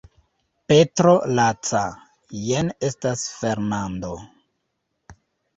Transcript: Petro laca, jen estas Fernando.